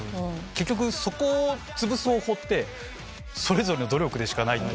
結局そこをつぶす方法ってそれぞれの努力でしかない。